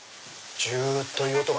ジュという音が。